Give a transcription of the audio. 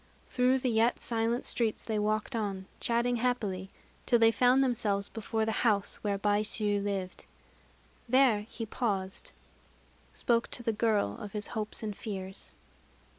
Through the yet silent streets they walked on, chatting happily, till they found themselves before the house where Baishû lived. There he paused spoke to the girl of his hopes and fears.